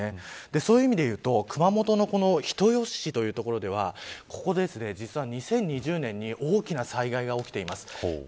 そういう意味で言うと熊本の人吉市という所では実は２０２０年に大きな災害が起きています。